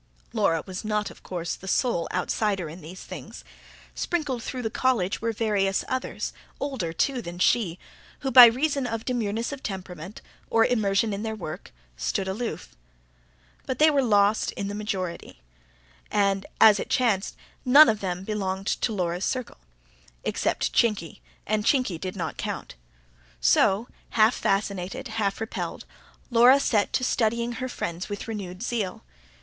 Laura was not, of course, the sole outsider in these things; sprinkled through the College were various others, older, too, than she, who by reason of demureness of temperament, or immersion in their work, stood aloof. But they were lost in the majority, and, as it chanced, none of them belonged to Laura's circle. Except Chinky and Chinky did not count. So, half fascinated, half repelled, Laura set to studying her friends with renewed zeal.